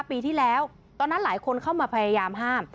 ปีที่แล้วตอนนั้นหลายคนเข้ามาพยายามห้าม